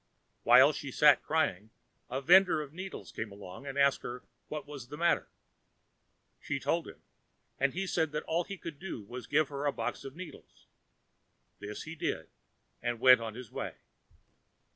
While she sat crying, a vender of needles came along and asked her what was the matter. She told him, and he said that all he could do for her was to give her a box of needles. This he did, and went on his way.